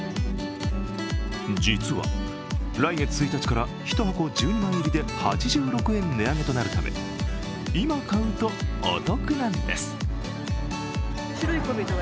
実は来月１日から１箱１２枚入りで８６円値上げとなるため今買うとお得なんです。